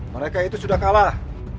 mereka itu sudah kalah